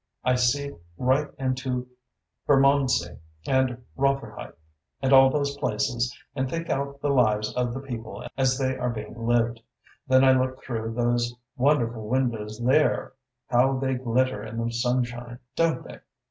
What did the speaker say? I see right into Bermondsey and Rotherhithe and all those places and think out the lives of the people as they are being lived. Then I look through those wonderful windows there how they glitter in the sunshine, don't they!